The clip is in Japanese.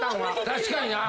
確かにな。